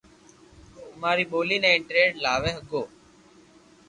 امري بولي ني انٽرنيٽ لاوي ھگو